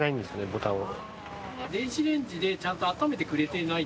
ボタンを。